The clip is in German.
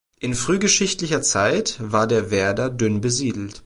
In frühgeschichtlicher Zeit war der Werder dünn besiedelt.